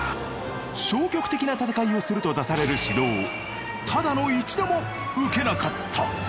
消極的な戦いをすると出される指導をただの一度も受けなかった！